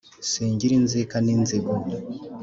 singira inzika n’inzigo